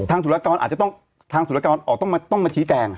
สุรกรอาจจะต้องทางสุรกรออกต้องมาชี้แจง